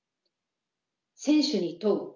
「選手に問う」。